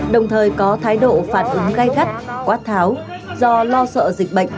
đồng thời có thái độ phản ứng gây gắt quát tháo do lo sợ dịch bệnh